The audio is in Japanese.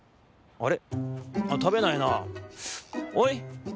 あれ？